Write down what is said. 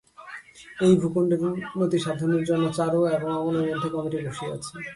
এই ভূখণ্ডের উন্নতিসাধনের জন্য চারু এবং অমলের মধ্যে কমিটি বসিয়াছে।